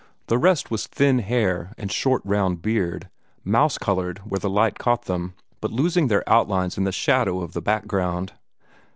The rest was thin hair and short round beard, mouse colored where the light caught them, but losing their outlines in the shadows of the background.